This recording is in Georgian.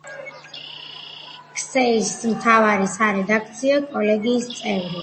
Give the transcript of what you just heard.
ქსე-ის მთავარი სარედაქციო კოლეგიის წევრი.